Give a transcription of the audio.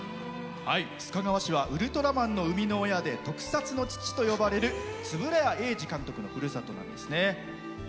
須賀川市はウルトラマンの生みの親で特撮の父と呼ばれる円谷英二監督のふるさとなんです。